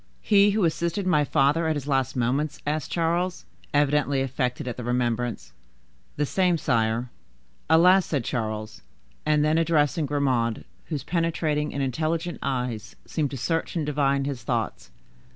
"He who assisted my father at his last moments?" asked Charles, evidently affected at the remembrance. "The same, sire." "Alas!" said Charles; and then addressing Grimaud, whose penetrating and intelligent eyes seemed to search and divine his thoughts.